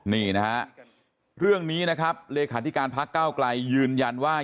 นี่นะฮะเรื่องนี้นะครับเลขาธิการพักเก้าไกลยืนยันว่า